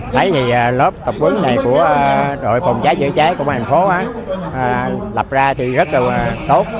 thấy thì lớp tập quấn này của đội phòng cháy chữa cháy công an thành phố lập ra thì rất là tốt